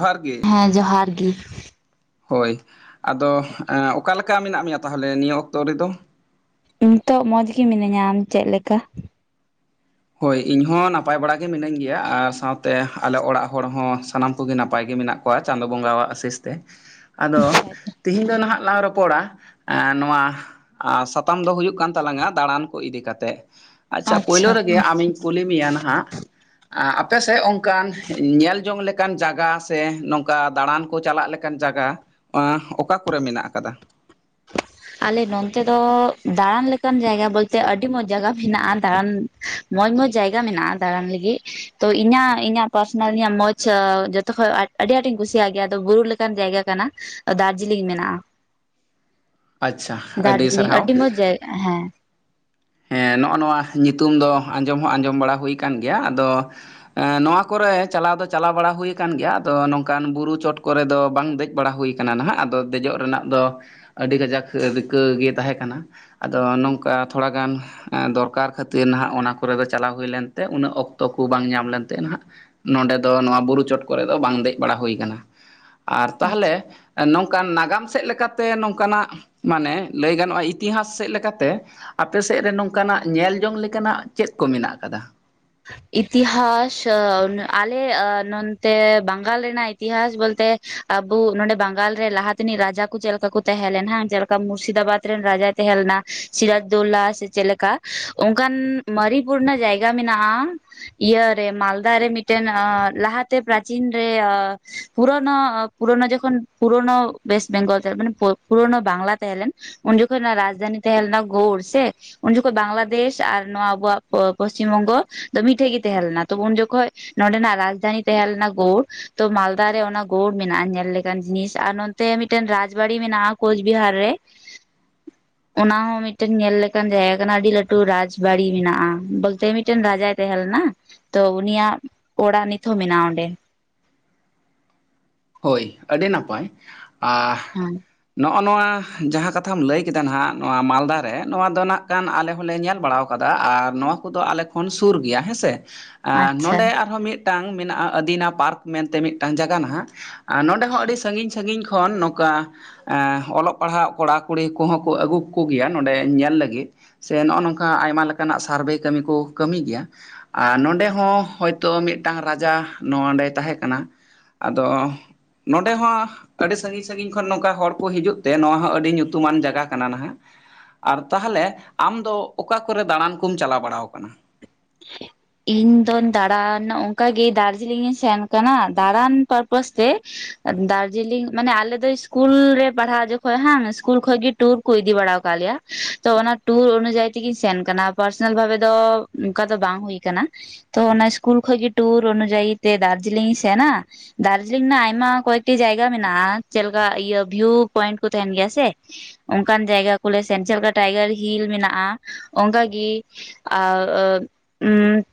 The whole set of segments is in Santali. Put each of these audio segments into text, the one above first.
ᱡᱚᱦᱟᱨ ᱜᱮ ᱦᱮᱸ ᱡᱚᱦᱟᱨ ᱜᱮ ᱦᱳᱭ ᱟᱫᱚ ᱚᱠᱟᱞᱮᱠᱟ ᱢᱮᱱᱟᱜ ᱢᱮᱭᱟ ᱛᱟᱦᱚᱞᱮ ᱱᱤᱭᱟᱹ ᱚᱠᱛᱚ ᱨᱮᱫᱚ? ᱱᱤᱛᱚᱜ ᱢᱚᱸᱡᱽ ᱜᱮᱤ ᱢᱤᱱᱟᱹᱧᱟ ᱟᱢ ᱪᱮᱫ ᱞᱮᱠᱟ? ᱦᱳᱭ ᱤᱧ ᱦᱚᱸ ᱱᱟᱯᱟᱭ ᱵᱟᱲᱟ ᱜᱮ ᱢᱤᱱᱟᱹᱧ ᱜᱮᱭᱟ ᱟᱨ ᱥᱟᱶᱛᱮ ᱟᱞᱮ ᱚᱲᱟᱜ ᱦᱚᱲ ᱦᱚᱸ ᱥᱟᱱᱟᱢ ᱠᱚᱜᱮ ᱱᱟᱯᱟᱭ ᱜᱮ ᱢᱮᱱᱟᱜ ᱠᱚᱣᱟ᱾ ᱪᱟᱸᱫᱚ ᱵᱚᱸᱜᱟᱣᱟᱜ ᱟᱥᱤᱥ ᱛᱮ ᱟᱫᱚ ᱛᱤᱦᱤᱧ ᱫᱚ ᱱᱟᱦᱟᱜ ᱞᱚᱧᱼᱼ ᱨᱚᱯᱚᱲᱟ ᱮ ᱱᱚᱣᱟ ᱥᱟᱛᱟᱢ ᱫᱚ ᱦᱩᱭᱩᱜ ᱠᱟᱱ ᱛᱟᱞᱟᱝᱟ ᱫᱟᱬᱟᱱ ᱠᱚ ᱤᱫᱤ ᱠᱟᱛᱮᱜ ᱟᱪᱪᱷᱟ ᱯᱳᱭᱞᱳ ᱨᱮᱜᱮ ᱟᱢᱤᱧ ᱠᱩᱞᱤ ᱢᱮᱭᱟ ᱱᱟᱦᱟᱜ ᱟᱯᱮᱥᱮᱫᱼᱼ ᱚᱱᱠᱟ ᱧᱮᱞ ᱡᱚᱝ ᱞᱮᱠᱼᱼ ᱞᱮᱠᱟᱱ ᱡᱟᱭᱜᱟ ᱥᱮ ᱱᱚᱝᱠᱟ ᱫᱟᱬᱟᱱ ᱠᱚ ᱪᱟᱞᱟᱜ ᱞᱮᱠᱟᱱ ᱡᱟᱭᱜᱟ ᱚᱠᱟ ᱠᱚᱨᱮ ᱢᱮᱱᱟᱜ ᱟᱠᱟᱫᱟ᱾ ᱟᱞᱮ ᱱᱛᱮ ᱫᱚ ᱫᱟᱬᱟᱱ ᱞᱮᱠᱟᱱ ᱡᱟᱭᱜᱟ ᱵᱚᱞᱛᱮ ᱟᱹᱰᱤ ᱢᱚᱸᱡᱽ ᱡᱟᱭᱜᱟ ᱦᱮᱱᱟᱜᱼᱟ ᱫᱟᱬᱟᱱ᱾ ᱢᱚᱸᱡᱽ ᱢᱚᱸᱡᱽ ᱡᱟᱭᱜᱟ ᱢᱮᱱᱟᱜᱼᱟ ᱫᱟᱟᱲᱟᱱ ᱞᱟᱹᱜᱤᱫ ᱛᱚ ᱤᱧᱟᱹᱜ ᱤᱧᱟᱹᱜ ᱯᱟᱨᱥᱚᱱᱟᱞ ᱤᱧᱟᱹᱜ ᱢᱚᱸᱡᱽ ᱡᱚᱛᱚᱠᱷᱚᱡ ᱟᱼᱼ ᱟᱹᱰᱤ ᱟᱸᱴᱤ ᱤᱧ ᱠᱩᱥᱤᱭᱟᱜ ᱜᱮᱭᱟ ᱟᱫᱚ ᱵᱩᱨᱩ ᱞᱮᱠᱟᱱ ᱡᱟᱭᱜᱟ ᱠᱟᱱᱟ ᱫᱟᱨᱡᱤᱞᱤᱝ ᱢᱮᱱᱟᱜᱼᱟ᱾ ᱟᱪᱪᱷᱟ ᱟᱹᱰᱤ ᱫᱟᱨᱡᱤᱞᱤᱝ ᱥᱟᱨᱦᱟᱣ ᱟᱹᱰᱤ ᱢᱚᱡᱽ ᱡᱟᱭᱜᱟ᱾ ᱦᱮᱸ᱾ ᱦᱮᱸ ᱱᱚᱜᱼᱚᱭ ᱱᱚᱣᱟ ᱧᱩᱛᱩᱢ ᱫᱚ ᱟᱸᱡᱚᱢ ᱦᱚᱸ ᱟᱸᱡᱚᱢ ᱵᱟᱲᱟ ᱦᱩᱭ ᱠᱟᱱ ᱜᱮᱭᱟ᱾ ᱟᱫᱚ ᱱᱚᱣᱟ ᱠᱚᱨᱮ ᱪᱟᱞᱟᱣ ᱫᱚ ᱪᱟᱞᱟᱣ ᱵᱟᱲᱟ ᱦᱩᱭᱩ ᱟᱠᱟᱱ ᱜᱮᱭᱟ᱾ ᱟᱫᱚ ᱱᱚᱝᱠᱟᱱ ᱵᱩᱨᱩ ᱪᱚᱴ ᱠᱚᱨᱮ ᱫᱚ ᱵᱟᱝ ᱫᱮᱡ ᱵᱟᱲᱟ ᱦᱩᱭ ᱟᱠᱟᱱᱟ᱾ ᱠᱟᱱᱟ ᱱᱟᱦᱟᱜ, ᱟᱫᱚ ᱫᱮᱡᱚᱜ ᱨᱮᱱᱟᱜ ᱫᱚ ᱟᱹᱰᱤ ᱠᱟᱡᱟᱠ ᱨᱤᱠᱟᱹ ᱜᱮ ᱛᱟᱦᱮᱸ ᱠᱟᱱᱟ᱾ ᱟᱫᱚ ᱱᱚᱝᱠᱟ ᱛᱷᱚᱲᱟᱜᱟᱱ ᱫᱚᱨᱠᱟᱨ ᱠᱷᱟᱹᱛᱤᱨ ᱱᱟ ᱦᱟᱜ, ᱚᱱᱟ ᱠᱚᱨᱮ ᱫᱚ ᱪᱟᱞᱟᱣ ᱦᱩᱭ ᱞᱮᱱᱛᱮ ᱩᱱᱟᱹᱜ ᱚᱠᱛᱚ ᱠᱚ ᱵᱟᱝ ᱧᱟᱢ ᱞᱮᱱᱛᱮ ᱱᱟᱦᱟᱜ ᱱᱚᱰᱮ ᱫᱚ, ᱱᱚᱣᱟ ᱵᱩᱨᱩ ᱪᱚᱴ ᱠᱚᱨᱮ ᱫᱚ ᱵᱟᱝ ᱫᱮᱡ ᱵᱟᱲᱟ ᱦᱩᱭ ᱠᱟᱱᱟ ᱟᱨ ᱛᱟᱦᱚᱸᱞᱮ ᱱᱚᱝᱠᱟᱱ ᱱᱟᱜᱟᱢ ᱥᱮᱫ ᱞᱮᱠᱟᱛᱮ ᱱᱚᱝᱠᱟ ᱱᱟᱜ ᱢᱟᱱᱮ ᱞᱟᱹᱭ ᱜᱟᱱᱚᱜᱼᱟ, ᱤᱛᱤᱦᱟᱥ ᱥᱮᱫ ᱞᱮᱠᱟ ᱛᱮ ᱟᱯᱮᱥᱮᱫ ᱨᱮ ᱱᱚᱝᱠᱟ ᱱᱟᱜ ᱧᱮᱞ ᱡᱚᱝ ᱞᱮᱠᱟᱱᱟᱜ ᱪᱮᱫ ᱠᱚ ᱢᱮᱱᱟᱜ ᱟᱠᱟᱫᱟ? ᱤᱛᱤᱦᱟᱥ ᱟᱞᱮ ᱱᱚᱛᱮ ᱵᱟᱝᱜᱟᱞ ᱨᱮᱱᱟᱜ ᱤᱛᱤᱦᱟᱥ ᱵᱚᱞᱛᱮ ᱟᱵᱚ ᱱᱚᱰᱮ ᱵᱟᱝᱜᱟᱞ ᱨᱮ ᱞᱟᱦᱟ ᱛᱮᱱᱤᱡ ᱨᱟᱡᱟ ᱠᱚ ᱪᱮᱫ ᱞᱮᱠᱟ ᱠᱚ ᱛᱟᱦᱮᱸ ᱞᱮᱱᱟ ᱦᱚᱸ? ᱪᱮᱫ ᱞᱮᱠᱟ ᱢᱩᱨᱥᱤᱫᱟᱵᱟᱫᱽ ᱨᱮᱱ ᱨᱟᱡᱟ ᱛᱟᱦᱮᱸ ᱞᱮᱱᱟ ᱥᱤᱨᱟᱹᱡᱽᱫᱳᱞᱟ ᱥᱮ ᱪᱮᱫ ᱞᱮᱠᱟ ᱚᱱᱠᱟᱱ ᱢᱟᱨᱤᱯᱩᱨᱱ ᱡᱟᱭᱜᱟ ᱢᱮᱱᱟᱜᱼᱟ? ᱱᱟᱜᱼᱟ᱾ ᱤᱭᱟᱹᱨᱮ ᱢᱟᱞᱫᱟ ᱨᱮ ᱢᱤᱫᱴᱮᱱ ᱞᱟᱦᱟᱛᱮ ᱯᱨᱟᱪᱤᱱ ᱨᱮ ᱯᱩᱨᱱᱳ ᱯᱩᱨᱚᱱᱳ ᱡᱚᱠᱷᱚᱱ ᱯᱩᱨᱚᱱᱳ ᱭᱮᱥᱴ ᱵᱮᱝᱜᱚᱞ ᱛᱮ ᱢᱟᱱ ᱯᱩᱨᱚᱱᱳ ᱵᱟᱝᱞᱟ ᱛᱮ ᱮᱞᱮᱱ ᱩᱱ ᱡᱚᱠᱷᱚᱡ ᱨᱟᱡᱽᱫᱟᱱᱤ ᱛᱟᱦᱮ ᱦᱮᱞᱱᱟ ᱜᱳᱲ ᱥᱮ ᱩᱱ ᱡᱚᱠᱷᱚᱱ ᱵᱟᱝᱞᱟ ᱫᱮᱥ ᱟᱨ ᱱᱚᱣᱟ ᱟᱵᱚᱣᱟᱜ ᱯᱚᱥᱪᱤᱢ ᱵᱚᱝᱜᱚ ᱢᱤᱫᱴᱷᱮᱡ ᱜᱮ ᱛᱟᱦᱮᱸᱞᱮᱱᱟ ᱛᱚ, ᱩᱱ ᱡᱚᱠᱷᱚᱱ ᱱᱚᱰᱮᱱᱟᱜ ᱨᱟᱡᱽᱫᱷᱟᱱᱤ ᱛᱟᱦᱮᱸᱞᱮᱱᱟ ᱜᱳᱣᱲ᱾ ᱛᱚ ᱢᱟᱞᱫᱟ ᱨᱮ ᱚᱱᱟ ᱜᱳᱲ ᱢᱮᱱᱟᱜᱼᱟ, ᱧᱮᱞ ᱞᱮᱠᱟᱱ ᱡᱤᱱᱤᱥ ᱟᱨ ᱱᱚᱛᱮ ᱢᱤᱫᱴᱮᱱ ᱨᱟᱡᱽ ᱵᱟᱲᱤ ᱢᱮᱱᱟᱜᱼᱟ ᱠᱳᱪᱵᱤᱦᱟᱨ ᱨᱮ [inaudible] ᱚᱱᱟ ᱦᱚᱸ ᱢᱤᱫᱴᱮᱱ ᱧᱮᱞ ᱞᱮᱠᱟᱱ ᱡᱟᱭᱜᱟ ᱠᱟᱱᱟ ᱟᱹᱰᱤ ᱞᱟᱹᱴᱩ ᱨᱟᱡᱽᱵᱲᱤ ᱢᱮᱱᱟᱜᱼᱟ᱾ ᱵᱚᱞᱛᱮ ᱢᱤᱫᱴᱟᱝ ᱢᱤᱫᱴᱮᱱ ᱨᱟᱡᱟᱭ ᱛᱟᱦᱮᱸ ᱞᱮᱱᱟ, ᱛᱚ ᱩᱱᱤᱭᱟᱜ ᱚᱲᱟᱜ ᱱᱤᱛ ᱦᱚᱸ ᱢᱮᱱᱟᱜᱼᱟ ᱚᱸᱰᱮ᱾ ᱦᱳᱭ, ᱟᱹᱰᱤ ᱱᱟᱯᱟᱭ, ᱟᱨ ᱦᱮᱸ᱾ ᱱᱚᱜᱼᱚᱭ ᱱᱚᱣᱟ ᱡᱟᱦᱟᱸ ᱠᱟᱛᱷᱟᱢ ᱞᱟᱹᱭ ᱠᱮᱫᱟ, ᱱᱟᱦᱟᱜ ᱱᱚᱣᱟ ᱢᱟᱞᱫᱟ ᱨᱮ ᱱᱚᱣᱟ ᱫᱚ ᱱᱟᱜ ᱜᱟᱱ ᱟᱞᱮ ᱦᱚᱸᱞᱮ ᱧᱮᱞ ᱵᱟᱲᱟᱣ ᱟᱠᱟ ᱠᱟᱫᱟ ᱟᱨ ᱱᱚᱣᱟ ᱠᱚᱫᱚ ᱟᱞᱮ ᱠᱷᱚᱱ ᱥᱩᱨ ᱜᱮᱭᱟ ᱦᱮᱸᱥᱮ᱾ ᱟᱨ ᱟᱪᱪᱷᱟ ᱱᱚᱸᱰᱮ ᱟᱨᱦᱚᱸ ᱢᱤᱫᱴᱟᱝ ᱢᱮᱱᱟᱜᱼᱟ, ᱟᱹᱫᱤᱱᱟ ᱯᱟᱨᱠ ᱢᱮᱱᱛᱮ ᱢᱤᱫᱴᱟᱝ ᱡᱟᱭᱜᱟ ᱱᱟᱦᱟᱜ ᱟᱨ ᱱᱚᱸᱰᱮ ᱦᱚᱸ ᱟᱹᱰᱤ ᱥᱟᱺᱜᱤᱧ ᱥᱟᱺᱜᱤᱧ ᱠᱷᱚᱱ ᱱᱚᱝᱠᱟ ᱚᱞᱚᱜ ᱯᱟᱲᱦᱟᱜ ᱠᱚᱲᱟ-ᱠᱩᱲᱤ ᱠᱚᱦᱚᱸ ᱠᱚ ᱟᱹᱜᱩ ᱠᱚ ᱜᱮᱭᱟ, ᱱᱚᱸᱰᱮ ᱧᱮᱞ ᱞᱟᱹᱜᱤᱫ᱾ ᱥᱮ ᱱᱚᱜᱼᱚᱭ ᱱᱚᱝᱠᱟ ᱟᱭᱢᱟ ᱞᱮᱠᱟᱱᱟᱜ ᱥᱟᱨᱵᱷᱮ ᱠᱟᱹᱢᱤ ᱠᱚ ᱠᱟᱹᱢᱤ ᱜᱮᱭᱟ᱾ ᱟᱨ ᱱᱚᱰᱮ ᱦᱚᱸ ᱦᱚᱭᱛᱳ ᱢᱤᱫᱴᱟᱝ ᱨᱟᱡᱟ ᱱᱚᱰᱮᱭ ᱛᱟᱦᱮᱸ ᱠᱟᱱᱟ? ᱟᱫᱚ ᱱᱚᱸᱰᱮ ᱦᱚᱸ ᱟᱹᱰᱤ ᱥᱟᱺᱜᱤᱧ ᱥᱟᱺᱜᱤᱧ ᱠᱷᱚᱱ ᱱᱚᱝᱠᱟ ᱦᱚᱲ ᱠᱚ ᱦᱤᱡᱩᱜ ᱛᱮ, ᱱᱚᱣᱟ ᱦᱚᱸ ᱟᱹᱰᱤ ᱧᱩᱛᱩᱢᱟᱱ ᱡᱟᱭᱜᱟ ᱠᱟᱱᱟ ᱱᱟᱦᱟᱜ᱾ ᱟᱨ ᱛᱟᱦᱚᱞᱮ ᱟᱢ ᱫᱚ ᱚᱠᱟ ᱠᱚᱨᱮ ᱫᱟᱬᱟᱱ ᱠᱚᱢ ᱪᱟᱞᱟᱣ ᱵᱟᱲᱟ ᱟᱠᱟᱱᱟ? [inaudible] ᱤᱧᱫᱚᱧ ᱫᱟᱬᱟᱱ ᱚᱱᱠᱟ ᱜᱤ ᱫᱟᱨᱡᱤᱞᱤᱝ ᱤᱧ ᱥᱮᱱ ᱟᱠᱟᱱᱟ, ᱫᱟᱬᱟᱱ ᱯᱟᱨᱯᱟᱥ ᱛᱮ᱾ ᱫᱟᱨᱡᱤᱞᱤᱝ ᱢᱟᱱᱮ ᱟᱞᱮ ᱫᱚ ᱤᱥᱠᱩᱞ ᱨᱮ ᱯᱟᱲᱦᱟᱜ ᱡᱚᱠᱷᱚᱱ ᱦᱮᱸ ᱤᱥᱠᱩᱞ ᱠᱷᱚᱱᱚᱡᱽ ᱜᱮ ᱴᱩᱨ ᱠᱚ ᱤᱫᱤ ᱵᱟᱲᱟ ᱟᱠᱟᱫ ᱞᱮᱭᱟ ᱛᱚ, ᱚᱱᱟ ᱴᱩᱨ ᱚᱱᱩᱡᱟᱭᱤ ᱛᱮᱜᱮᱧ ᱥᱮᱱ ᱠᱟᱱᱟ ᱯᱟᱨᱥᱚᱱᱟᱞ ᱵᱷᱟᱵᱮ ᱫᱚ ᱚᱱᱠᱟ ᱫᱚ ᱵᱟᱝ ᱦᱩᱭ ᱟᱠᱟᱱᱟ ᱛᱚ ᱚᱱᱟ ᱤᱥᱠᱩᱞ ᱠᱷᱚᱱᱚᱡ ᱜᱤ ᱴᱩᱨ ᱚᱱᱩᱡᱟᱭᱤ ᱛᱮ ᱫᱟᱨᱡᱤᱞᱤᱝ ᱤᱧ ᱥᱮᱱᱟ᱾ ᱫᱟᱨᱡᱤᱞᱤᱝ ᱨᱮᱱᱟᱜ ᱟᱭᱢᱟ ᱠᱚᱭᱮᱠᱴᱤ ᱡᱟᱭᱜᱟ ᱢᱮᱱᱟᱜᱼᱟ, ᱡᱮᱞᱮᱠᱟ ᱤᱭᱟᱹ ᱵᱷᱤᱭᱩ ᱯᱚᱭᱮᱱᱴ ᱠᱚ ᱛᱟᱦᱮᱱ ᱜᱮᱭᱟ ᱥᱮ? ᱚᱱᱠᱟᱱ ᱡᱟᱭᱜᱟ ᱠᱚᱞᱮ ᱥᱮᱱ ᱪᱮᱫ ᱞᱮᱠᱟ ᱴᱟᱭᱜᱟᱨ ᱦᱤᱞ ᱢᱮᱱᱟᱜᱼᱟ? ᱚᱱᱠᱟᱜᱮ ᱟᱸ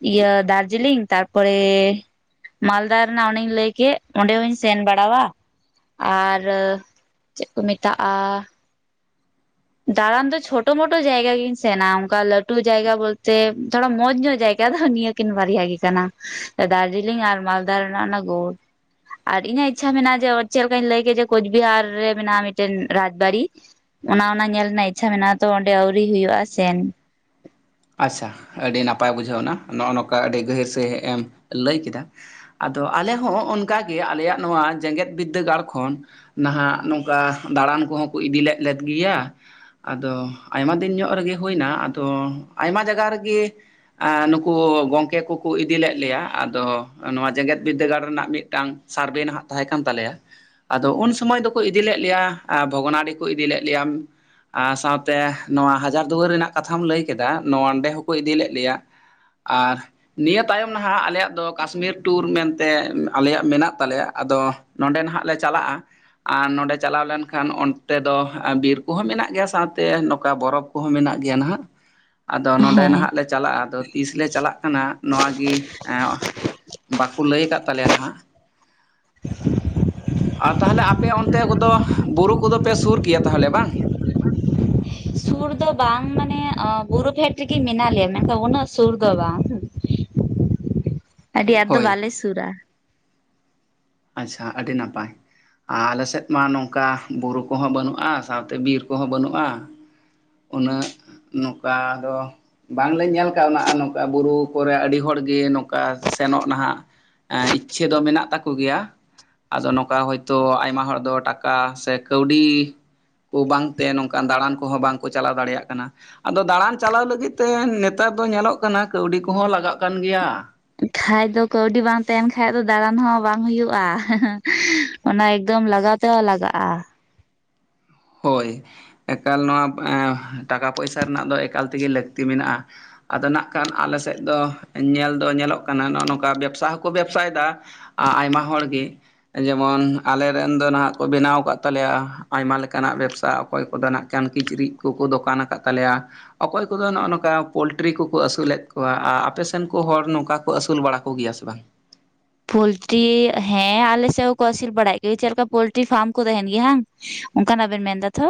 ᱤᱭᱟᱹ ᱫᱟᱨᱡᱤᱞᱤᱝ ᱛᱟᱨᱯᱚᱨᱮ ᱢᱟᱞᱫᱟ ᱨᱮᱱᱟᱜ ᱚᱱᱮᱧ ᱞᱟᱹᱭ ᱠᱮᱜ ᱚᱸᱰᱮ ᱦᱚᱧ ᱥᱮᱱ ᱵᱟᱲᱟᱣᱼᱟ᱾ ᱟᱨ ᱪᱮᱫ ᱠᱚ ᱢᱮᱛᱟᱜᱼᱟ? ᱫᱟᱬᱟᱱ ᱫᱚ ᱪᱷᱳᱴᱚ-ᱢᱚᱴᱚ ᱡᱟᱭᱜᱟ ᱜᱤᱧ ᱥᱮᱱᱟ ᱚᱱᱠᱟ ᱞᱟᱹᱴᱩ ᱡᱟᱭᱜᱟ ᱵᱚᱞᱛᱮ ᱛᱷᱚᱲᱟ ᱢᱚᱸᱡᱽ ᱧᱚᱜ ᱡᱟᱭᱜᱟ ᱫᱚ ᱱᱤᱭᱟᱹ ᱠᱤᱱ ᱵᱟᱨᱭᱟ ᱜᱮ ᱠᱟᱱᱟ ᱫᱟᱨᱡᱤᱞᱤᱝ ᱟᱨ ᱢᱟᱞᱫᱟ ᱨᱮᱱᱟᱜ ᱚᱱᱟ ᱜᱳᱲ ᱟᱨ ᱤᱧᱟᱹᱜ ᱤᱪᱷᱟ ᱢᱮᱱᱟᱜᱼᱟ ᱡᱮ ᱪᱮᱫ ᱞᱮᱠᱟᱧ ᱞᱟᱹᱭ ᱠᱮᱫ ᱡᱮᱳᱪᱵᱤᱦᱟᱨ ᱨᱮ ᱢᱮᱱᱟᱜᱼᱟ ᱢᱤᱫᱴᱮᱱ ᱨᱟᱡᱽᱵᱟᱲᱤ ᱚᱱᱟ-ᱚᱱᱟ ᱧᱮᱞ ᱨᱮᱱᱟᱜ ᱤᱪᱷᱟ ᱢᱮᱱᱟᱜ ᱟ ᱛᱚ ᱚᱸᱰᱮ ᱟᱹᱣᱨᱤ ᱦᱩᱭᱩᱜ ᱟ ᱥᱮᱱ ᱟᱪᱷᱟ ᱟᱹᱰᱤ ᱱᱟᱯᱟᱭ ᱵᱩᱡᱷᱟᱹᱣ ᱮᱱᱟ ᱱᱚᱜᱼᱚ ᱱᱚᱝᱠᱟ ᱟᱹᱰᱤ ᱜᱟᱹᱦᱤᱨ ᱥᱟᱹᱦᱤᱡ ᱮᱢ ᱞᱟᱹᱭ ᱠᱮᱫᱟ᱾ ᱟᱫᱚ ᱟᱞᱮ ᱦᱚᱸ ᱚᱱᱠᱟᱜᱮ ᱟᱞᱮᱭᱟᱜ ᱱᱚᱣᱟ ᱡᱮᱜᱮᱫ ᱵᱤᱫᱽᱫᱟᱹᱜᱟᱲ ᱠᱷᱚᱱ ᱱᱟᱦᱟᱜ ᱱᱚᱝᱠᱟ ᱫᱟᱬᱟᱱ ᱠᱚᱦᱚᱸ ᱠᱚ ᱤᱫᱤ ᱞᱮᱫ-ᱞᱮᱫ ᱜᱮᱭᱟ᱾ ᱟᱫᱚ ᱟᱭᱢᱟ ᱫᱤᱱ ᱧᱚᱜ ᱨᱮᱜᱮ ᱦᱩᱭᱱᱟ ᱟᱫᱚ ᱟᱭᱢᱟ ᱡᱟᱭᱜᱟ ᱨᱮᱜᱮ ᱱᱩᱠᱩ ᱜᱚᱝᱠᱮ ᱠᱚᱠᱚ ᱤᱫᱤ ᱞᱮᱫ ᱞᱮᱭᱟ ᱟᱫᱚ ᱱᱚᱣᱟ ᱡᱮᱜᱮᱫ ᱵᱤᱫᱽᱫᱟᱹᱜᱟᱲ ᱨᱮᱱᱟᱜ ᱢᱤᱫᱴᱟᱝ ᱥᱟᱨᱵᱷᱮ ᱱᱟᱦᱟᱜ ᱛᱟᱦᱮᱸ ᱠᱟᱱ ᱛᱟᱞᱮᱭᱟ᱾ ᱟᱫᱚ ᱩᱱ ᱥᱚᱢᱚᱭ ᱫᱚᱠᱚ ᱤᱫᱤ ᱞᱮᱫ ᱞᱮᱭᱟ ᱵᱷᱚᱜᱽᱱᱟᱰᱤ ᱠᱚ ᱤᱫᱤ ᱞᱮᱫ ᱞᱮᱭᱟ᱾ ᱟᱨ ᱥᱟᱶᱛᱮ ᱱᱚᱣᱟ ᱦᱟᱡᱟᱨ ᱫᱩᱣᱟᱹᱨ ᱨᱮᱱᱟᱜ ᱠᱟᱛᱷᱟᱢ ᱞᱟᱹᱭ ᱠᱮᱫᱟ ᱱᱚᱣᱟ ᱚᱸᱰᱮ ᱦᱚᱸᱠᱚ ᱤᱫᱤ ᱞᱮᱫ ᱞᱮᱭᱟ᱾ ᱟᱨ ᱱᱤᱭᱟᱹ ᱛᱟᱭᱚᱢ ᱱᱟᱦᱟᱜ ᱟᱞᱮᱭᱟᱜ ᱫᱚ ᱠᱟᱥᱢᱤᱨ ᱴᱩᱨ ᱢᱮᱱᱛᱮ ᱟᱞᱮᱭᱟᱜ ᱢᱮᱱᱟᱜ ᱛᱟᱞᱮᱭᱟ ᱟᱫᱚ ᱱᱚᱸᱰᱮ ᱱᱟᱦᱟᱜ ᱞᱮ ᱪᱟᱞᱟᱜᱼᱟ᱾ ᱟᱨ ᱱᱚᱸᱰᱮ ᱪᱟᱞᱟᱣ ᱞᱮᱱᱠᱷᱟᱱ ᱚᱱᱛᱮ ᱫᱚ ᱵᱤᱨ ᱠᱚᱦᱚᱸ ᱢᱮᱱᱟᱜ ᱜᱮᱭᱟ ᱥᱟᱶᱛᱮ ᱱᱚᱝᱠᱟ ᱵᱚᱨᱚᱯᱷ ᱦᱚᱸ ᱢᱮᱱᱟᱜ ᱜᱮᱭᱟ ᱱᱟᱦᱟᱜ ᱟᱫᱚ ᱱᱚᱰᱮ ᱦᱮᱸ ᱱᱟᱦᱟᱜ ᱞᱮ ᱪᱟᱞᱟᱜᱼᱟ ᱟᱫᱚ ᱛᱤᱥ ᱞᱮ ᱪᱟᱞᱟᱜ ᱠᱟᱱᱟ ᱱᱚᱣᱟ ᱜᱮ ᱵᱟᱠᱚ ᱞᱟᱹᱭ ᱟᱠᱟᱫ ᱛᱟᱞᱮᱭᱟ ᱱᱟᱦᱟᱜ᱾ ᱟᱨ ᱛᱟᱦᱚᱞᱮ ᱟᱯᱮ ᱚᱱᱛᱮ ᱠᱚᱫᱚ ᱵᱩᱨᱩ ᱠᱚᱫᱚ ᱯᱮ ᱥᱩᱨ ᱜᱮᱭᱟ ᱛᱟᱦᱚᱞᱮ ᱵᱟᱝ ᱥᱩᱨ ᱥᱩᱨ ᱫᱚ ᱵᱟᱝ ᱢᱟᱱᱮ ᱵᱩᱨᱩ ᱯᱷᱮᱰ ᱨᱮᱜᱮ ᱢᱮᱱᱟᱜ ᱞᱮᱭᱟ ᱢᱮᱱᱠᱷᱟᱱ ᱩᱱᱟᱹᱜ ᱥᱩᱨ ᱫᱚ ᱵᱟᱝ ᱟᱹᱰᱤ ᱟᱸᱴ ᱫᱚ ᱦᱳᱭ ᱵᱟᱞᱮ ᱥᱩᱨᱟ ᱟᱪᱷᱟ ᱟᱹᱰᱤ ᱱᱟᱯᱟᱭ᱾ ᱟᱨ ᱟᱞᱮᱥᱮᱫ ᱢᱟ ᱱᱚᱝᱠᱟ ᱵᱩᱨᱩ ᱠᱚᱦᱚᱸ ᱵᱟᱹᱱᱩᱜᱼᱟ ᱥᱟᱶᱛᱮ ᱵᱤᱨ ᱠᱚᱦᱚᱸ ᱵᱟᱹᱱᱩᱜᱼᱟ᱾ ᱩᱱᱟᱹᱜ ᱱᱚᱝᱠᱟ ᱫᱚ ᱵᱟᱝᱞᱮ ᱧᱮᱞ ᱠᱟᱜᱱᱟ ᱱᱚᱝᱠᱟ ᱵᱩᱨᱩ ᱠᱚᱨᱮ ᱟᱹᱰᱤ ᱦᱚᱲᱜᱮ ᱱᱚᱝᱠᱟ ᱥᱮᱱᱚᱜ ᱱᱟᱦᱟᱜ ᱤᱪᱷᱟᱹ ᱫᱚ ᱢᱮᱱᱟᱜ ᱛᱟᱠᱚ ᱠᱚ ᱜᱮᱭᱟ ᱟᱫᱚ ᱱᱚᱝᱠᱟ ᱦᱳᱭᱛᱳ ᱟᱭᱢᱟ ᱦᱚᱲᱟᱜ ᱫᱚ ᱴᱟᱠᱟ ᱥᱮ ᱠᱟᱹᱣᱰᱤ ᱵᱟᱝᱛᱮ ᱱᱚᱝᱠᱟᱱ ᱫᱟᱬᱟᱱ ᱠᱚᱦᱚᱸ ᱵᱟᱝᱠᱚ ᱪᱟᱞᱟᱣ ᱫᱟᱲᱮᱭᱟᱜ ᱠᱟᱱᱟ᱾ ᱟᱫᱚ ᱫᱟᱬᱟᱱ ᱪᱟᱞᱟᱣ ᱞᱟᱹᱜᱤᱫ ᱛᱮ ᱱᱮᱛᱟᱨ ᱫᱚ ᱧᱮᱞᱚᱜ ᱠᱟᱱᱟ ᱠᱟᱹᱣᱰᱤ ᱠᱚᱦᱚᱸ ᱞᱟᱜᱟᱜ ᱠᱟᱱ ᱜᱮᱭᱟ᱾ ᱠᱷᱟᱡ ᱫᱚ ᱠᱟᱹᱣᱰᱤ ᱵᱟᱝ ᱛᱟᱦᱮᱱ ᱠᱷᱟᱡ ᱫᱚ ᱫᱟᱬᱟᱱ ᱦᱚᱸ ᱵᱟᱝ ᱦᱩᱭᱩᱜᱼᱟ᱾ ᱚᱱᱟ ᱮᱠᱫᱚᱢ ᱞᱟᱜᱟᱣ ᱛᱮᱦᱚᱸ ᱞᱟᱜᱟᱜᱼᱟ᱾ ᱦᱳᱭ ᱮᱠᱟᱞ ᱱᱚᱣᱟ ᱴᱟᱠᱟ-ᱯᱚᱭᱥᱟ ᱨᱮᱱᱟᱜ ᱫᱚ ᱮᱠᱟᱞ ᱛᱮᱜᱮ ᱞᱟᱹᱠᱛᱤ ᱢᱮᱱᱟᱜᱼᱟ᱾ ᱟᱫᱚ ᱱᱟᱜ ᱠᱷᱟᱱ ᱟᱞᱮ ᱥᱮᱫ ᱫᱚ ᱧᱮᱞ ᱫᱚ ᱧᱮᱞᱚᱜ ᱠᱟᱱᱟ ᱱᱚᱜᱼᱚ ᱱᱚᱝᱠᱟ ᱵᱮᱵᱥᱟ ᱦᱚᱸᱠᱚ ᱵᱮᱵᱥᱟᱭᱮᱫᱟ᱾ ᱟᱭᱢᱟ ᱦᱚᱲᱜᱮ ᱡᱮᱢᱚᱱ ᱟᱞᱮᱨᱮᱱ ᱫᱚ ᱱᱟᱦᱟᱜ ᱠᱚ ᱵᱮᱱᱟᱣ ᱟᱠᱟᱫ ᱛᱟᱞᱮᱭᱟ ᱟᱭᱢᱟ ᱞᱮᱠ- ᱠᱟᱱᱟᱜ ᱵᱮᱵᱽᱥᱟ ᱚᱠᱚᱭ ᱠᱚᱫᱚ ᱱᱟᱜ ᱠᱷᱟᱱ ᱠᱤᱪᱨᱤᱡ ᱠᱚᱠᱚ ᱫᱚᱠᱟᱱ ᱟᱠᱟᱫ ᱛᱟᱞᱮᱭᱟ᱾ ᱚᱠᱚᱭ ᱠᱚᱫᱚ ᱱᱚᱜᱼᱚ ᱱᱚᱝᱠᱟ ᱯᱳᱞᱴᱨᱤ ᱠᱚᱠᱚ ᱟᱹᱥᱩᱞᱮᱫ ᱠᱚᱣᱟ ᱟᱨ ᱟᱯᱮ ᱥᱮᱱ ᱠᱚ ᱦᱚᱲ ᱱᱚᱝᱠᱟ ᱠᱚ ᱟᱹᱥᱩᱞ ᱵᱟᱲᱟ ᱠᱚᱜᱮᱭᱟ ᱥᱮ ᱵᱟᱝ? ᱯᱳᱞᱴᱨᱤ ᱦᱮᱸ ᱟᱞᱮᱥᱮᱫ ᱦᱚᱸᱠᱚ ᱟᱹᱥᱤᱨ ᱵᱟᱲᱟᱭᱮᱫ ᱜᱮ ᱪᱮᱫ ᱞᱮᱠᱟ ᱯᱳᱞᱴᱨᱤ ᱯᱷᱟᱨᱢ ᱠᱚ ᱛᱟᱦᱮᱱ ᱜᱮᱭᱟ ᱵᱟᱝ ᱚᱱᱠᱟᱱᱟᱜ ᱵᱮᱱ ᱢᱮᱱᱫᱟ ᱛᱚ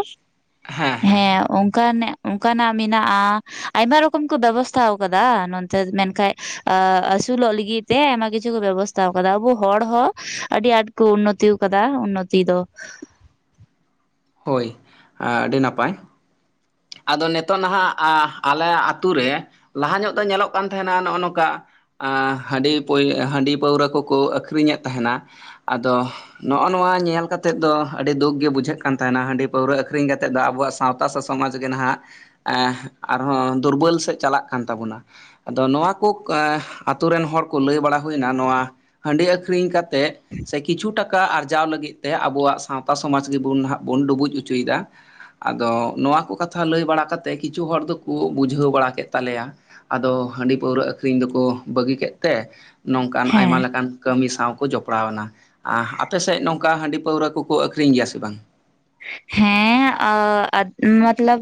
ᱦᱮᱸ ᱚᱱᱠᱟᱱᱟᱜ ᱚᱱᱠᱟᱱᱟᱜ ᱢᱮᱱᱟᱜᱼᱟ ᱟᱭᱢᱟ ᱨᱚᱠᱚᱢ ᱠᱚ ᱵᱮᱵᱚᱥᱛᱷᱟ ᱟᱠᱟᱫᱟ ᱱᱚᱱᱛᱮ ᱢᱮᱱᱠᱷᱟᱡ ᱟᱹ ᱟᱹᱥᱩᱞᱚᱜ ᱞᱟᱹᱜᱤᱫ ᱛᱮ ᱟᱭᱢᱟ ᱠᱤᱪᱷᱩ ᱠᱚ ᱵᱮᱵᱚᱥ ᱛᱟᱣ ᱠᱟᱫᱟ ᱟᱵᱚ ᱦᱚᱲ ᱦᱚᱸ ᱟᱹᱰᱤ ᱟᱸᱴ ᱠᱚ ᱩᱱᱱᱚᱛᱤ ᱠᱟᱫᱟ ᱩᱱᱱᱚᱛᱤ ᱫᱚ᱾ ᱦᱳᱭ ᱟᱹᱰᱤ ᱱᱟᱯᱟᱭ ᱟᱫᱚ ᱱᱤᱛᱚᱜ ᱱᱟᱦᱟᱜ ᱟᱞᱮ ᱟᱹᱛᱳ ᱨᱮ ᱞᱟᱦᱟ ᱧᱚᱜ ᱫᱚ ᱧᱮᱞᱚᱜ ᱠᱟᱱ ᱛᱟᱦᱮᱱᱟ ᱱᱚᱜᱼᱚ ᱱᱚᱝᱠᱟ ᱦᱟᱺᱰᱤ, ᱦᱟᱺᱰᱤ ᱯᱟᱹᱣᱨᱟᱹ ᱠᱚᱠᱚ ᱟᱹᱠᱷᱨᱤᱧᱮᱫ ᱛᱟᱦᱮᱱᱟ ᱾ ᱟᱫᱚ ᱱᱚᱜᱼᱚ ᱱᱚᱣᱟ ᱧᱮᱞ ᱠᱟᱛᱮᱜ ᱫᱚ ᱟᱹᱰᱤ ᱫᱩᱠ ᱜᱮ ᱵᱩᱡᱷᱟᱹᱜ ᱠᱟᱱ ᱛᱟᱦᱮᱱᱟ ᱦᱟᱺᱰᱤ ᱯᱟᱹᱣᱨᱟᱹ ᱟᱹᱠᱷᱨᱤᱧ ᱠᱟᱛᱮᱫ ᱫᱚ ᱟᱵᱚᱣᱟᱜ ᱥᱟᱶᱛᱟ ᱥᱮ ᱥᱚᱢᱟᱡᱽ ᱜᱮ ᱱᱟᱦᱟᱜ ᱟᱨᱦᱚᱸ ᱫᱩᱨᱵᱚᱞ ᱥᱮᱫ ᱪᱟᱞᱟᱜ ᱠᱟᱱ ᱛᱟᱵᱚᱱᱟ ᱾ ᱟᱫᱚ ᱱᱚᱣᱟ ᱠᱚ ᱟᱛᱳ ᱨᱮᱱ ᱦᱚᱲ ᱠᱚ ᱞᱟᱹᱭ ᱵᱟᱲᱟ ᱦᱩᱭᱱᱟ ᱱᱚᱣᱟ ᱦᱟᱺᱰᱤ ᱟᱹᱠᱷᱨᱤᱧ ᱠᱟᱛᱮᱫ ᱥᱮ ᱠᱤᱪᱷᱩ ᱴᱟᱠᱟ ᱟᱨᱡᱟᱣ ᱞᱟᱹᱜᱤᱫ ᱛᱮ ᱟᱵᱚᱣᱟᱜ ᱥᱟᱶᱛᱟ ᱥᱚᱢᱟᱡᱽ ᱜᱮ ᱵᱩᱱ ᱱᱟᱦᱟᱜ ᱵᱚᱱ ᱰᱩᱵᱩᱡ ᱦᱚᱪᱚᱭᱮᱫᱟ᱾ ᱟᱫᱚ ᱱᱚᱣᱟ ᱠᱚ ᱠᱟᱛᱷᱟ ᱞᱟᱹᱭ ᱵᱟᱲᱟ ᱠᱟᱛᱮᱫ ᱠᱤᱪᱷᱩ ᱦᱚᱲ ᱫᱚᱠᱚ ᱵᱩᱡᱷᱟᱹᱣ ᱵᱟᱲᱟ ᱠᱮᱫ ᱛᱟᱞᱮᱭᱟ ᱾ ᱟᱫᱚ ᱦᱟᱺᱰᱤ ᱯᱟᱹᱣᱨᱟᱹ ᱟᱹᱠᱷᱨᱤᱧ ᱫᱚᱠᱚ ᱵᱟᱹᱜᱤ ᱠᱮᱫ ᱛᱮ ᱱᱚᱝᱠᱟᱱ ᱦᱮᱸ ᱟᱭᱢᱟ ᱞᱮᱠᱟᱱ ᱠᱟᱹᱢᱤ ᱥᱟᱣ ᱠᱚ ᱡᱚᱯᱲᱟᱣ ᱮᱱᱟ᱾ ᱟᱯᱮᱥᱮᱫ ᱱᱚᱝᱠᱟ ᱦᱟᱹᱰᱤ ᱯᱟᱹᱣᱨᱟᱹ ᱠᱚᱠᱚ ᱟᱹᱠᱷᱨᱤᱧ ᱜᱮᱭᱟ ᱥᱮ ᱵᱟᱝ? ᱦᱮᱸ ᱢᱚᱛᱞᱚᱵ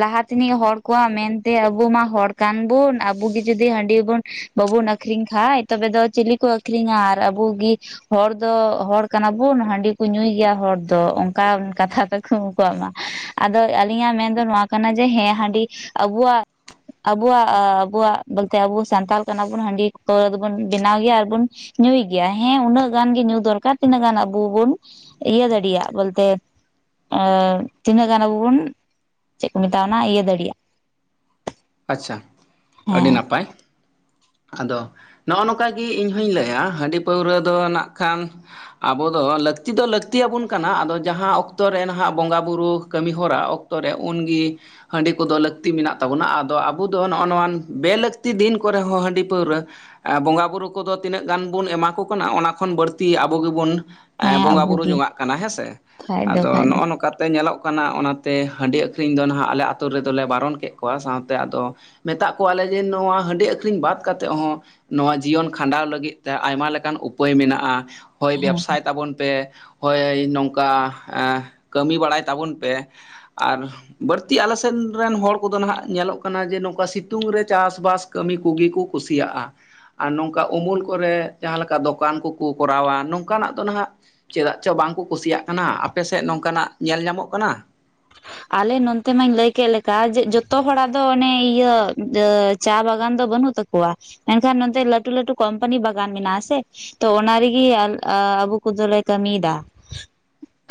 ᱞᱟᱦᱟ ᱛᱮᱱᱤᱡ ᱦᱚᱲ ᱠᱚᱣᱟᱜ ᱢᱮᱱᱛᱮ ᱟᱵᱚ ᱢᱟ ᱦᱚᱲ ᱠᱟᱱ ᱵᱩᱱ ᱟᱵᱚᱜᱤ ᱡᱩᱫᱤ ᱦᱟᱺᱰᱤ ᱵᱚᱱ ᱵᱟᱵᱩᱱ ᱟᱹᱠᱷᱨᱤᱧ ᱠᱷᱟᱡ ᱛᱚᱵᱮ ᱫᱚ ᱪᱤᱞᱤ ᱠᱚ ᱟᱹᱠᱷ ᱨᱤᱧᱟ ᱟᱨ ᱟᱵᱩᱜᱤ ᱦᱚᱲ ᱫᱚ ᱦᱚᱲ ᱠᱟᱱᱟ ᱵᱚᱱ, ᱦᱟᱺᱰᱤ ᱠᱚ ᱧᱩᱭ ᱜᱮᱭᱟ ᱦᱚᱲ ᱫᱚ ᱚᱱᱠᱟ ᱠᱟᱛᱷᱟ [unintelligible] ᱠᱚᱣᱟᱜ ᱢᱟ ᱾ ᱟᱫᱚ ᱟᱹᱞᱤᱧᱟᱜ ᱢᱮᱱ ᱫᱚ ᱱᱚᱣᱟ ᱠᱟᱱᱟ ᱡᱮ ᱦᱮᱸ ᱦᱟᱺᱰᱤ ᱟᱵᱚᱣᱟᱜ ᱟᱵᱚᱣᱟᱜ, ᱟᱵᱚᱣᱟᱜ ᱵᱚᱞᱞᱛᱮ ᱟᱵᱚ ᱥᱟᱱᱛᱟᱞ ᱠᱟᱱᱟ ᱵᱚᱱ᱾ ᱦᱟᱺᱰᱤ ᱯᱟᱹᱣᱨᱟᱹ ᱫᱚᱵᱚᱱ ᱵᱮᱱᱟᱣ ᱜᱮᱭᱟ ᱟᱨ ᱵᱚᱱ ᱧᱩᱭ ᱜᱮᱭᱟ ᱦᱮᱸ ᱩᱱᱟᱹᱜ ᱜᱟᱱ ᱜᱤ ᱧᱩ ᱫᱚᱨᱠᱟᱨ ᱛᱤᱱᱟᱹᱜ ᱜᱟᱱ ᱟᱵᱚ ᱵᱚᱱ ᱤᱭᱟᱹ ᱫᱟᱲᱮᱭᱟᱜᱼᱟ ᱵᱚᱞᱛᱮ ᱛᱤᱱᱟᱹᱜ ᱜᱟᱱ ᱟᱵᱚ ᱵᱚᱱ ᱪᱮᱫ ᱠᱚ ᱢᱮᱛᱟᱣᱟ, ᱚᱱᱟ ᱤᱭᱟᱹ ᱫᱟᱲᱮᱭᱟᱜᱼᱟ᱾ ᱟᱪᱪᱷᱟ ᱟᱹᱰᱤ ᱦᱮᱸ ᱱᱟᱯᱟᱭ ᱾ ᱟᱫᱚ ᱱᱚᱜᱼᱚ ᱱᱚᱝᱠᱟ ᱜᱮ ᱤᱧ ᱦᱚᱧ ᱞᱟᱹᱭᱟ ᱦᱟᱺᱰᱤ ᱯᱟᱹᱣᱨᱟᱹ ᱫᱚ ᱱᱟᱜ ᱠᱷᱟᱱ ᱟᱵᱚ ᱫᱚ ᱞᱟᱹᱠᱛᱤ ᱫᱚ ᱞᱟᱹᱠᱛᱤ ᱟᱵᱚᱱ ᱠᱟᱱᱟ᱾ ᱟᱫᱚ ᱡᱟᱦᱟᱸ ᱚᱠᱛᱚ ᱨᱮ ᱱᱟᱦᱟᱜ ᱵᱚᱸᱜᱟᱼᱵᱩᱨᱩ ᱠᱟᱹᱢᱤ ᱦᱚᱨᱟ ᱚᱠ ᱛᱚ ᱨᱮ᱾ ᱩᱱᱜᱮ ᱦᱟᱺᱰᱤ ᱠᱚᱫᱚ ᱞᱟᱹᱠᱛᱤ ᱢᱮᱱᱟᱜ ᱛᱟᱵᱚᱱᱟ ᱟ ᱟᱫᱚ ᱟᱵᱚ ᱫᱚ ᱱᱚᱜᱼᱚ ᱱᱚᱣᱟ ᱵᱮ ᱞᱟᱹᱠᱛᱤ ᱫᱤᱱ ᱠᱚᱨᱮ ᱦᱚᱸ ᱦᱟᱺᱰᱤ ᱯᱟᱹᱣᱨᱟᱹ ᱵᱚᱸᱜᱟᱼᱵᱩᱨᱩ ᱠᱚᱫᱚ ᱛᱤᱱᱟᱹᱜ ᱜᱟᱱ ᱵᱚᱱ ᱮᱢᱟ ᱠᱚ ᱠᱟᱱᱟ᱾ ᱚᱱᱟ ᱠᱷᱚᱱ ᱵᱟᱹᱲᱛᱤ ᱟᱵᱚ ᱜᱮᱵᱚᱱ ᱦᱮᱸ ᱵᱚᱸᱜᱟ ᱵᱩᱨᱩ ᱟᱵᱚᱜᱮ ᱡᱚᱧᱟᱜ ᱠᱟᱱᱟ ᱦᱮᱸᱥᱮ, ᱠᱷᱟᱡ ᱫᱚ ᱟᱫᱚ ᱠᱷᱟᱡ ᱫᱚ ᱱᱚᱜᱼᱚ ᱱᱚᱝᱠᱟ ᱛᱮ ᱧᱮᱞᱚᱜ ᱠᱟᱱᱟ ᱚᱱᱟᱛᱮ ᱦᱟᱺᱰᱤ ᱟᱹᱠᱷᱨᱤᱧ ᱫᱚ ᱱᱟᱦᱟᱜ ᱟᱞᱮ ᱟᱹᱛᱩ ᱨᱮᱫᱚᱞᱮ ᱵᱟᱨᱚᱱ ᱠᱮᱫ ᱠᱚᱣᱟ, ᱥᱟᱶ ᱛᱮ ᱟᱫᱚ ᱢᱮᱛᱟᱜ ᱠᱚᱣᱟᱞᱮ ᱡᱮ ᱱᱚᱣᱟ ᱦᱟᱺᱰᱤ ᱟᱹᱠᱷᱨᱤᱧ ᱵᱟᱫ ᱠᱟᱛᱮᱫ ᱦᱚᱸ ᱱᱚᱣᱟ ᱡᱤᱭᱚᱱ ᱠᱷᱟᱸᱰᱟᱣ ᱞᱟᱹᱜᱤᱫ ᱛᱮ ᱟᱭᱢᱟ ᱞᱮᱠᱟᱱ ᱩᱯᱟᱹᱭ ᱢᱮᱱᱟᱜᱼᱟ ᱾ ᱦᱳᱭ ᱦᱮᱸ ᱵᱮᱵᱥᱟᱭ ᱛᱟᱵᱚᱱ ᱯᱮ, ᱦᱳᱭ ᱱᱚᱝᱠᱟ ᱠᱟᱹᱢᱤ ᱵᱟᱰᱟᱭ ᱛᱟᱵᱚᱱ ᱯᱮ ᱾ ᱟᱨ ᱵᱟᱹᱲᱛᱤ ᱟᱞᱮ ᱥᱮᱫ ᱨᱮᱱ ᱦᱚᱲ ᱠᱚᱫᱚ ᱱᱟᱦᱟᱜ ᱧᱮᱞᱟᱜ ᱠᱟᱱᱟ ᱡᱮ, ᱱᱚᱝᱠᱟ ᱥᱤᱛᱩᱝ ᱨᱮ ᱪᱟᱥᱵᱟᱥ ᱠᱟᱹᱢᱤ ᱠᱚᱜᱮ ᱠᱚ ᱠᱩᱥᱤᱭᱟᱜᱼᱟ ᱾ ᱟᱨ ᱱᱚᱝᱠᱟ ᱩᱢᱩᱞ ᱠᱚᱨᱮ ᱡᱟᱦᱟᱸ ᱞᱮᱠᱟ ᱫᱚᱠᱟᱱ ᱠᱚᱠᱚ ᱠᱚᱨᱟᱣᱟ ᱱᱚᱝᱠᱟᱱᱟᱜ ᱫᱚ ᱱᱟᱦᱟᱜ ᱪᱮᱫᱟᱜ ᱪᱚ ᱵᱟᱝᱠᱚ ᱠᱩᱥᱤᱭᱟᱜ ᱠᱟᱱᱟ᱾ᱟᱯᱮᱥᱮᱫ ᱱᱚᱝᱠᱟᱱᱟᱜ ᱧᱮᱞ ᱧᱟᱢᱚᱜ ᱠᱟᱱᱟ? ᱟᱞᱮ ᱱᱚᱱᱛᱮ ᱢᱟᱧ ᱞᱟᱹᱭ ᱠᱮᱫ ᱞᱮᱠᱟ ᱡᱮ ᱡᱚᱛᱚ ᱦᱚᱲᱟᱜ ᱫᱚ ᱚᱱᱮ ᱤᱭᱟᱹ ᱪᱟ ᱵᱟᱜᱟᱱ ᱫᱚ ᱵᱟᱹᱱᱩᱜ ᱛᱟᱠᱚᱣᱟ᱾ ᱢᱮᱱᱠᱷᱟᱱ ᱱᱚᱛᱮ ᱞᱟᱹᱴᱩ ᱞᱟᱹᱴᱩ ᱠᱳᱢᱯᱟᱱᱤ ᱵᱟᱜᱟᱱ ᱢᱮᱱᱟᱜ ᱟᱥᱮ ᱾ ᱛᱚ ᱚᱱᱟ ᱨᱮᱜᱮ ᱟᱵᱚ ᱠᱚᱫᱚᱞᱮ ᱠᱟᱹᱢᱤᱭᱮᱫᱟ ᱾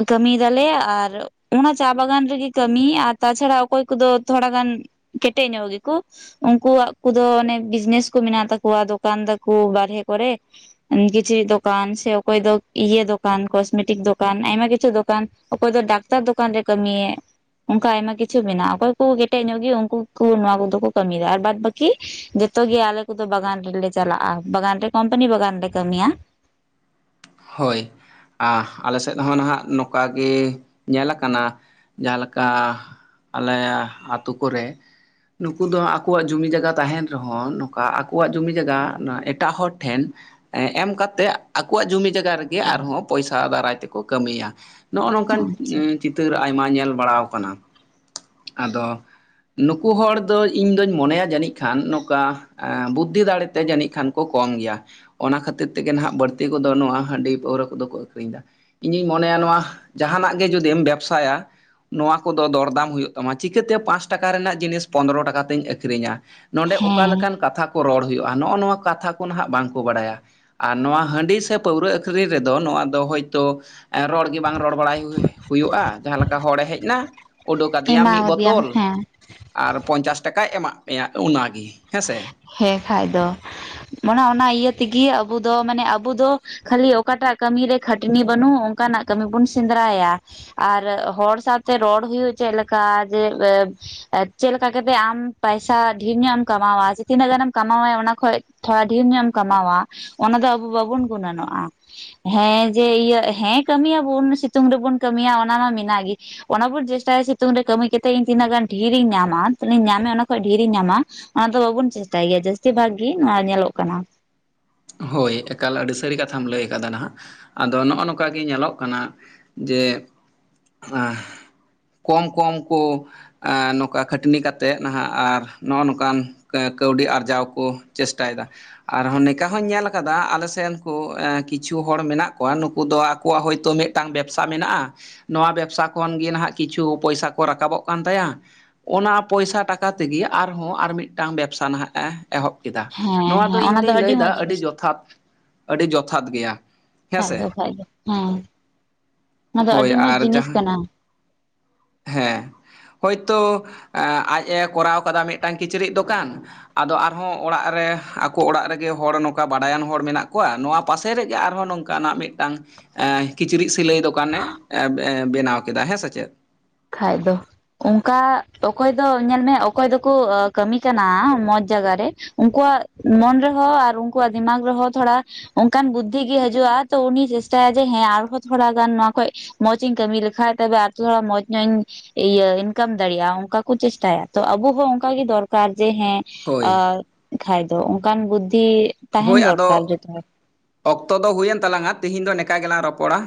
ᱠᱟᱹᱢᱤᱭᱮᱫᱟᱞᱮ ᱟᱨ ᱚᱱᱟ ᱪᱟ ᱵᱟᱜᱟᱱ ᱨᱮᱜᱮ ᱠᱟᱹᱢᱤ ᱟᱨ ᱛᱟᱪᱷᱟᱲᱟ ᱚᱠᱚᱭ ᱠᱚᱫᱚ ᱛᱷᱚᱲᱟ ᱜᱟᱱ ᱠᱮᱴᱮᱡ ᱧᱚᱜ ᱜᱮᱠᱚ ᱩᱱᱠᱩᱣᱟᱜ ᱠᱚᱫᱚ ᱚᱱᱮ ᱵᱤᱡᱽᱱᱮᱥ ᱠᱚ ᱢᱮᱱᱟᱜ ᱛᱟᱠᱚᱣᱟ ᱫᱚᱠᱟᱱ ᱫᱟᱠᱩ ᱵᱟᱨᱦᱮ ᱠᱚᱨᱮ ᱾ ᱠᱤᱪᱷᱨᱤᱡ ᱫᱚᱠᱟᱱ ᱥᱮ ᱚᱠᱚᱭ ᱫᱚ ᱤᱭᱟᱹ ᱫᱚᱠᱟᱱ, ᱠᱚᱥᱢᱮᱴᱤᱠ ᱫᱚᱠᱟᱱ ᱟᱭᱢᱟ ᱠᱤᱪᱷᱩ ᱫᱚᱠᱟᱱ ᱚᱠᱚᱭ ᱫᱚ ᱰᱟᱠ ᱛᱟᱨ ᱫᱚᱠᱟᱱ ᱨᱮ ᱠᱟᱹᱢᱤᱭᱮ ᱚᱱᱠᱟ ᱟᱭᱢᱟ ᱠᱤᱪᱷᱩ ᱢᱮᱱᱟᱜᱼᱟ ᱾ ᱚᱠᱚᱭ ᱠᱚ ᱠᱮᱴᱮᱡ ᱧᱚᱜ ᱜᱮ ᱩᱱᱠᱩ ᱠᱚ ᱱᱚᱣᱟ ᱠᱚᱫᱚ ᱠᱚ ᱠᱟᱹᱢᱤᱭᱮᱫᱟ ᱟᱨ ᱵᱟᱫ ᱵᱟᱹᱠᱤ ᱡᱚᱛᱚᱮ ᱟᱞᱮ ᱠᱚᱫᱚ ᱵᱟᱜᱟᱱ ᱨᱮᱞᱮ ᱪᱟᱞᱟᱜᱼᱟ᱾ ᱵᱟᱜᱟᱱ ᱨᱮ ᱠᱚᱳᱢᱯᱟᱱᱤ ᱵᱟᱜᱟᱱ ᱨᱮᱞᱮ ᱠᱟᱹᱢᱤᱭᱟ ᱾ ᱦᱳᱭ ᱾ ᱟ ᱟᱞᱮ ᱥᱮᱫ ᱦᱚᱸ ᱱᱟᱦᱟᱸᱜ ᱱᱚᱝᱠᱟ ᱜᱮ ᱧᱮᱞ ᱟᱠᱟᱱᱟ ᱡᱟᱦᱟᱸᱞᱮᱠᱟ ᱟᱞᱮᱭᱟ ᱟᱹᱛᱩ ᱠᱚᱨᱮ ᱱᱩᱠᱩ ᱫᱚ ᱟᱠᱚᱣᱟᱜ ᱡᱩᱢᱤᱤ ᱡᱟᱜᱟ ᱛᱟᱦᱮᱸᱱ ᱨᱮᱦᱚᱸ ᱱᱚᱝᱠᱟ ᱟᱠᱚᱣᱟᱜ ᱡᱩᱢᱤᱤ ᱡᱟᱜᱟ ᱮᱴᱟᱜ ᱦᱚᱲ ᱴᱷᱮᱱ ᱮᱸ ᱮᱢ ᱠᱟᱛᱮᱜ ᱟᱠᱚᱣᱟᱜ ᱡᱩᱢᱤᱫ ᱡᱟᱜᱟ ᱨᱮᱜᱮ ᱟᱨᱦᱚᱸ ᱯᱚᱭᱥᱟ ᱫᱟᱨᱟᱭ ᱛᱮᱠᱚ ᱠᱟᱹᱢᱤᱭᱟ ᱱᱚᱜᱼᱚ ᱱᱚᱝᱠᱟᱱ ᱟᱪᱪᱷᱟ ᱩᱸ ᱪᱤᱛᱟᱹᱨ ᱟᱭᱢᱟ ᱧᱮᱞ ᱵᱟᱲᱟᱣ ᱠᱟᱱᱟ ᱟᱫᱚ ᱱᱩᱠᱩ ᱦᱚᱲ ᱫᱚ ᱤᱧ ᱫᱚᱩᱧ ᱢᱚᱱᱮᱭᱟ ᱡᱟᱹᱱᱤᱡ ᱠᱷᱟᱱ ᱱᱚᱠᱟ ᱮᱸ ᱵᱩᱫᱫᱷᱤ ᱫᱟᱲᱮᱛᱮ ᱡᱟᱹᱱᱤᱡ ᱠᱷᱟᱱ ᱠᱚ ᱠᱚᱢ ᱜᱮᱭᱟ ᱚᱱᱟ ᱠᱷᱟᱹᱛᱤᱨ ᱛᱮᱜᱮ ᱱᱟᱦᱟᱸᱜ ᱵᱟᱹᱲᱛᱤ ᱠᱚᱫᱚ ᱱᱚᱣᱟ ᱦᱟᱺᱰᱤ ᱯᱟᱹᱣᱨᱟᱹ ᱠᱚᱫᱚ ᱠᱚ ᱟᱹᱠᱷᱨᱤᱧ ᱫᱟ ᱤᱧᱤᱧ ᱢᱚᱱᱮᱭᱟ ᱱᱚᱣᱟ ᱡᱟᱦᱟᱸᱱᱟᱜ ᱜᱮ ᱡᱩᱫᱤᱢ ᱵᱮᱵᱥᱟᱭᱟ ᱱᱚᱣᱟ ᱠᱚᱫᱚ ᱫᱚᱨᱫᱟᱢ ᱦᱩᱭᱩᱜ ᱛᱟᱢᱟ ᱪᱤᱠᱟᱹᱛᱮ ᱯᱟᱸᱪ ᱴᱟᱠᱟ ᱨᱮᱱᱟᱜ ᱡᱤᱱᱤᱥ ᱯᱚᱱᱨᱚ ᱴᱟᱠᱟ ᱛᱤᱧ ᱟᱹᱠᱷᱨᱤᱧᱟ᱾ ᱱᱚᱰᱮ ᱚᱠᱟ ᱦᱮᱸ ᱞᱮᱠᱟᱱ ᱠᱟᱛᱷᱟ ᱠᱚ ᱨᱚᱲ ᱦᱩᱭᱩᱜᱼᱟ, ᱱᱚᱜᱼᱚ ᱱᱚᱣᱟ ᱠᱟᱛᱷᱟ ᱠᱚ ᱱᱟᱦᱜ ᱵᱟᱝᱠᱚ ᱵᱟᱲᱟᱭᱟ, ᱟᱨ ᱱᱚᱣᱟ ᱦᱟᱺᱰᱤ ᱥᱮ ᱯᱟᱹᱣᱨᱟᱹ ᱯᱩᱠᱷᱨᱤ ᱨᱮᱫᱚ ᱱᱚᱣᱟ ᱫᱚ ᱦᱳᱭᱛᱚ ᱨᱚᱲ ᱜᱮ ᱵᱟᱝ ᱨᱚᱲ ᱵᱟᱲᱟᱭ ᱦᱩᱭᱩᱜᱼᱟ ᱡᱟᱦᱟᱸ ᱞᱮᱠᱟ ᱦᱚᱲᱮ ᱦᱮᱡ ᱱᱟ ᱩᱰᱩᱜ ᱟᱫᱮᱭᱟᱢ ᱢᱤᱫ ᱮᱢᱟᱣᱟᱫᱮᱭᱟᱢ ᱵᱳᱛᱚᱞ ᱦᱮᱸ ᱟᱨ ᱯᱚᱧᱪᱟᱥ ᱴᱟᱠᱟᱭ ᱮᱟᱜ ᱢᱮᱭᱟ ᱚᱱᱟᱜᱤ ᱦᱮᱸᱥᱮ? ᱦᱮᱸ ᱠᱷᱟᱡ ᱫᱚ ᱢᱟᱱᱮ ᱚᱱᱟ ᱤᱭᱟᱹ ᱛᱮᱜᱮ ᱟᱵᱩ ᱫᱚ ᱢᱟᱱᱮ ᱟᱵᱩ ᱫᱚ ᱠᱷᱟᱹᱞᱤ ᱚᱠᱟᱴᱟᱜ ᱠᱟᱹᱢᱤᱨᱮ ᱠᱷᱟᱹᱴᱱᱤ ᱵᱟᱹᱱᱩᱜ ᱚᱱᱠᱟᱱᱟᱜ ᱠᱟᱹᱢᱤ ᱵᱚᱱ ᱥᱮᱸᱫᱽᱨᱟᱭᱟ᱾ ᱟᱨ ᱦᱚᱲ ᱥᱟᱶᱛᱮ ᱨᱚᱲ ᱦᱩᱭᱩᱜ ᱪᱮᱫᱞᱮᱠᱟ ᱡᱮ ᱮ ᱪᱮᱫ ᱞᱮᱠᱟ ᱠᱟᱛᱮᱜ ᱟᱢ ᱯᱮᱭᱥᱟ ᱰᱷᱮᱨ ᱧᱚᱜ ᱮᱢ ᱠᱟᱢᱟᱣᱟ ᱛᱤᱱᱟᱹᱜ ᱜᱟᱱᱮᱢ ᱠᱟᱢᱟᱣᱣᱟ ᱚᱱᱟ ᱠᱷᱚᱪ ᱛᱷᱚᱲᱟ ᱰᱷᱮᱨ ᱧᱚᱜ ᱮᱢ ᱠᱟᱢᱟᱣᱟ ᱚᱱᱟ ᱫᱚ ᱟᱵᱚ ᱵᱟᱵᱚᱱ ᱜᱩᱱᱟᱹᱱᱚᱜᱼᱟ᱾ ᱦᱮᱸ ᱡᱮ ᱤᱭᱟᱹ ᱦᱮᱸ ᱠᱟᱹᱢᱤᱭᱟᱵᱚᱱ ᱥᱤᱛᱩᱝ ᱨᱮᱵᱚᱱ ᱠᱟᱹᱢᱤᱭᱟ ᱚᱱᱟ ᱢᱮ ᱢᱮᱱᱟᱜ ᱜᱮ᱾ ᱚᱱᱟ ᱵᱚᱱ ᱪᱮᱥᱴᱟᱭᱟ ᱥᱤᱛᱩᱝ ᱨᱮ ᱠᱟᱹᱢᱤ ᱠᱟᱛᱮᱜ ᱤᱧ ᱛᱤᱱᱟᱹᱜ ᱜᱟᱱ ᱰᱷᱮᱨ ᱤᱧ ᱧᱟᱢᱟ, ᱛᱤᱱᱟᱹᱜ ᱜᱟᱱ ᱤᱧ ᱧᱟᱢᱟ ᱚᱱᱟ ᱠᱷᱚᱱᱚᱡ ᱰᱷᱨᱤ ᱤᱧ ᱧᱟᱢᱟ, ᱚᱱᱟ ᱫᱚ ᱵᱟᱵᱩᱱ ᱪᱮᱥᱴᱟᱭ ᱜᱮᱭᱟ ᱡᱟᱹᱥᱛᱤ ᱵᱷᱟᱜ ᱜᱮᱤ ᱱᱚᱣᱟ ᱧᱮᱞᱚᱜ ᱠᱟᱱᱟ᱾ ᱦᱳᱭ ᱮᱠᱟᱞ ᱟᱹᱰᱤ ᱥᱟᱹᱨᱤ ᱠᱟᱛᱷᱟᱢ ᱞᱟᱹᱭ ᱠᱟᱫᱟ ᱱᱟᱦᱟᱸᱜ, ᱟᱫᱚ ᱱᱚᱜᱼᱚ ᱱᱚᱝᱠᱟ ᱜᱮ ᱧᱮᱞᱚᱜ ᱠᱟᱱᱟ ᱡᱮ ᱟ ᱠᱚᱢ ᱠᱚᱢ ᱠᱚ ᱟᱸ ᱱᱚᱝᱠᱟ ᱠᱷᱟᱹᱴᱱᱤ ᱠᱟᱛᱮᱜ ᱱᱟᱦᱟᱸᱜ ᱟᱨ ᱱᱚᱜᱼᱚ ᱱᱚᱝᱠᱟᱱ ᱠᱟᱹ ᱠᱟᱹᱣᱰᱤ ᱟᱨᱡᱟᱣ ᱠᱚ ᱪᱮᱥᱴᱟᱭᱫᱟ ᱟᱨᱦᱚᱸ ᱱᱤᱝᱠᱟ ᱦᱚᱸᱧ ᱧᱮᱞ ᱠᱟᱫᱟ ᱟᱞᱮᱥᱮᱱ ᱠᱚ ᱠᱤᱪᱷᱩ ᱦᱚᱲ ᱢᱮᱱᱟᱜ ᱠᱚᱣᱟ ᱱᱩᱠᱩ ᱫᱚ ᱟᱠᱚᱣᱟᱜ ᱦᱳᱭᱛᱳ ᱢᱤᱫᱴᱟᱝ ᱵᱮᱵᱽᱥᱟ ᱢᱮᱱᱟᱜᱼᱟ, ᱱᱚᱣᱟ ᱵᱮᱵᱽᱥᱟ ᱠᱷᱚᱱᱜᱮ ᱱᱟᱦᱟᱸᱜ ᱠᱤᱪᱷᱩ ᱯᱚᱭᱥᱟ ᱠᱚ ᱨᱟᱠᱟᱵᱚᱜ ᱠᱟᱱ ᱛᱟᱭᱟ, ᱚᱱᱟ ᱯᱚᱭᱥᱟ ᱴᱟᱠᱟ ᱛᱮᱜᱮ ᱟᱨᱦᱚᱸ ᱟᱨ ᱢᱤᱫᱤᱫᱴᱟᱝ ᱵᱮᱵᱽᱥᱟ ᱱᱟᱦᱟᱸᱜᱼᱟ ᱮ ᱮᱦᱚᱵ ᱠᱮᱫᱟ, ᱦᱮᱸ ᱱᱚᱣᱟ ᱫᱚ ᱦᱮᱸ ᱤᱧ ᱚᱱᱟ ᱫᱩᱧ ᱞᱟᱹᱭᱫᱟ ᱢᱚᱸᱡᱽ ᱟᱹᱰᱤ ᱡᱤᱱᱤᱥ ᱡᱚᱛᱷᱟᱛ ᱟᱹᱰᱤ ᱡᱚᱛᱷᱟᱛ ᱜᱮᱭᱟ᱾ ᱠᱷᱟᱡ ᱦᱮᱸᱥᱮ ᱫᱚ ᱠᱷᱟᱱ ᱫᱚ ᱦᱮᱸ ᱚᱱᱟ ᱫᱚ ᱦᱳᱭ ᱟᱹᱰᱤ ᱢᱚᱸᱡ ᱟᱨ ᱡᱤᱱᱤᱥ ᱡᱟᱦᱟᱸ ᱠᱟᱱᱟ᱾ ᱦᱮᱸ ᱦᱳᱭᱛᱳ ᱟᱡ ᱮ ᱠᱚᱨᱟᱣ ᱠᱟᱫᱟ ᱢᱤᱫᱴᱟᱝ ᱠᱤᱪᱨᱤᱡ ᱫᱚᱠᱟᱱ ᱟᱫᱚ ᱟᱨᱦᱚᱸ ᱚᱲᱟᱜ ᱨᱮ ᱟᱠᱚ ᱚᱲᱟᱜ ᱨᱮᱜᱮ ᱦᱚᱲ ᱱᱚᱝᱠᱟ ᱵᱟᱰᱟᱭᱟᱱ ᱦᱚᱲ ᱢᱮᱱᱟᱜ ᱠᱚᱣᱟ, ᱱᱚᱣᱟ ᱯᱟᱥᱮ ᱨᱮᱜᱮ ᱟᱨᱦᱚᱸ ᱱᱚᱝ ᱠᱟᱱᱟᱜ ᱢᱤᱫᱴᱟᱝ ᱮᱸ ᱠᱤᱪᱨᱤᱡ ᱥᱤᱞᱟᱹᱭ ᱫᱚᱠᱟᱱᱮ ᱵᱮᱱᱟᱣ ᱠᱮᱫᱟ ᱦᱮᱸᱥᱮ ᱪᱮᱫ? ᱠᱷᱟᱡ ᱫᱚ᱾ ᱚᱝᱠᱟ ᱚᱠᱚᱭ ᱫᱚ ᱧᱮᱞᱢᱮ ᱚᱠᱚᱭ ᱫᱚᱠᱚ ᱠᱟᱹᱢᱤ ᱠᱟᱱᱟ ᱢᱚᱸᱡ ᱡᱟᱭᱜᱟ ᱨᱮ, ᱩᱱᱠᱩᱣᱟᱜ ᱢᱚᱱ ᱨᱮᱦᱚᱸ ᱟᱨ ᱩᱱᱠᱩᱣᱟᱜ ᱫᱤᱢᱟᱜ ᱨᱮᱦᱚᱸ ᱛᱷᱚᱲᱟ ᱚᱱᱠᱟᱱ ᱵᱩᱫᱫᱷᱤ ᱜᱮ ᱦᱤᱡᱩᱜᱼᱟ, ᱛᱚ ᱩᱱᱤ ᱪᱮᱥᱴᱟᱭᱟ ᱡᱮ ᱦᱮᱸ ᱟᱨᱦᱚᱸ ᱛᱷᱚᱲᱟ ᱜᱟᱱ ᱱᱚᱣᱟ ᱠᱷᱚᱡ ᱢᱚᱡ ᱤᱧ ᱠᱟᱹᱢᱤ ᱞᱮᱠᱷᱟᱡ ᱛᱮ ᱟᱨᱚᱲ ᱢᱚᱡ ᱤᱧ ᱦᱚᱧ ᱤᱭᱟᱹ ᱤᱱᱠᱟᱢ ᱫᱟᱲᱮᱭᱟᱜᱼᱟ ᱚᱝᱠᱟ ᱠᱚ ᱪᱮᱥᱴᱟᱭᱟ, ᱛᱚ ᱟᱵᱚ ᱦᱚᱸ ᱚᱱᱠᱟ ᱜᱮ ᱫᱚᱨᱠᱟᱨ ᱡᱮ ᱦᱮᱸ ᱦᱳᱭ ᱟᱨ ᱠᱷᱟᱭ ᱫᱚ ᱚᱝᱠᱟᱱ ᱵᱩᱫᱫᱷᱤ ᱦᱳᱭ ᱟᱫᱚ ᱚᱠᱛᱚ ᱫᱚ ᱦᱩᱭᱮᱱ ᱛᱟᱞᱟᱝ ᱟ ᱛᱤᱦᱤᱧ ᱫᱚ ᱱᱚᱝᱠᱟ ᱜᱮᱞᱟᱝ ᱨᱚᱯᱚᱲᱟ᱾